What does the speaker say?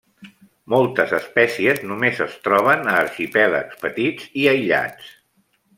Moltes espècies només es troben a arxipèlags petits i aïllats.